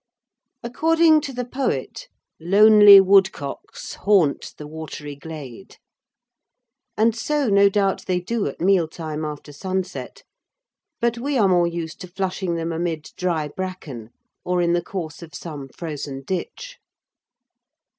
According to the poet, "Lonely woodcocks haunt the watery glade;" and so no doubt they do at meal time after sunset, but we are more used to flushing them amid dry bracken or in the course of some frozen ditch.